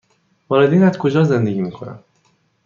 والدینت کجا زندگی می کنند؟